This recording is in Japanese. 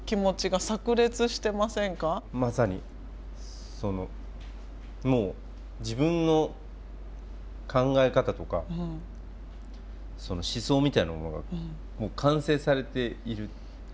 まさにそのもう自分の考え方とか思想みたいなものが完成されている。